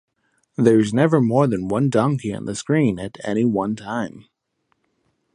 There is never more than one donkey on the screen at any one time.